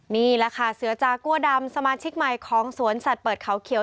นี่แหละค่ะเสือจากัวดำสมาชิกใหม่ของสวนสัตว์เปิดเขาเขียว